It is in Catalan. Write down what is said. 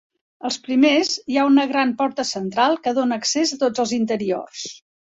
Als primers hi ha una ran porta central que dóna accés a tots els interiors.